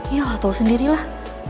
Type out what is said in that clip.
iya lah tau sendiri lah